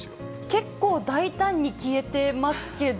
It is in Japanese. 結構、大胆に消えてますけど。